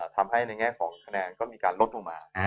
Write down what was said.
ทำให้ในแง่ของคะแนนก็มีการลดลงมา